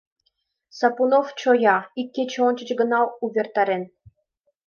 Сапунов чоя, ик кече ончыч гына увертарен.